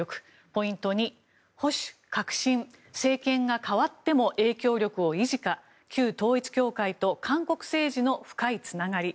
ポイント２保守・革新、政権が代わっても影響力を維持か旧統一教会と韓国政治の深いつながり。